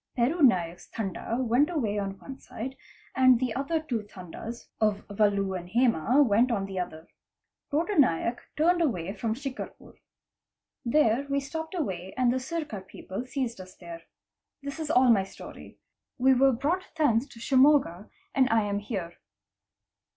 Peru Naik's Tanda went away on one side and the other two Tandas of Valu and' Hema went on the other. Tota Naik turned away from Shicarpur. There we stopped / away and the Sirear people seized us there. This is all my story. We were brought thence to Shimoga, and I am here.